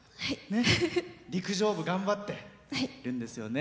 陸上部、頑張ってるんですよね